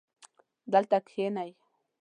دلته کښېنئ